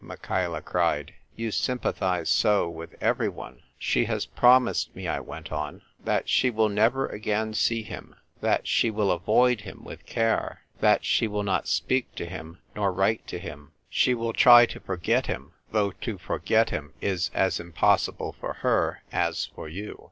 Michaela cried. " You sympathise so with everyone !"" She has promised me," I went on, " that she will never again see him, that she will avoid him with care, that she will not speak to him nor write to him. She will try to forget him, though to forget him is as impossible for her as for you.